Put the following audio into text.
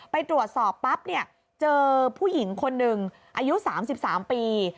ไปตรวจสอบปั๊บเนี่ยเจอผู้หญิงคนหนึ่งอายุ๓๓ปี